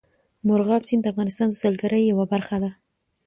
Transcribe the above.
مورغاب سیند د افغانستان د سیلګرۍ یوه برخه ده.